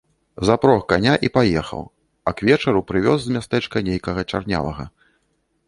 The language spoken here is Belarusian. Запрог каня і паехаў, а к вечару прывёз з мястэчка нейкага чарнявага.